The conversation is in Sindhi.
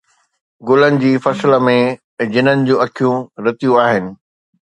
گلن جي فصل ۾، جنن جون اکيون رتيون آهن